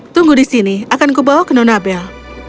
tunggu di sini akan kubawa ke nonabel